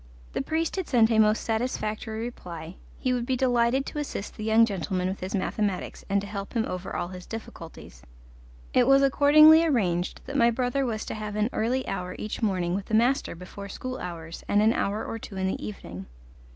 The priest had sent a most satisfactory reply; he would be delighted to assist the young gentleman with his mathematics, and to help him over all his difficulties; it was accordingly arranged that my brother was to have an early hour each morning with the master before school hours, and an hour or two in the evening.